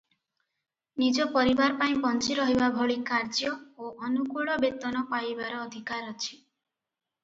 ନିଜ ପରିବାର ପାଇଁ ବଞ୍ଚି ରହିବା ଭଳି କାର୍ଯ୍ୟ ଓ ଅନୁକୂଳ ବେତନ ପାଇବାର ଅଧିକାର ଅଛି ।